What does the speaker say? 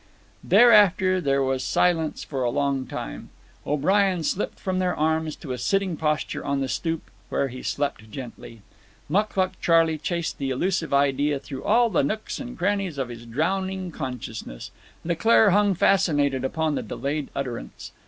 Thereafter there was silence for a long time. O'Brien slipped from their arms to a sitting posture on the stoop, where he slept gently. Mucluc Charley chased the elusive idea through all the nooks and crannies of his drowning consciousness. Leclaire hung fascinated upon the delayed utterance.